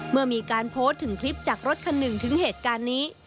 เมื่อมีการโพสต์ถึงคลิปจากรถคันหนึ่งถึงเหตุการณ์นี้